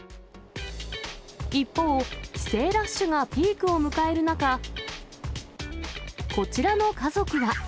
一方、帰省ラッシュがピークを迎える中、こちらの家族は。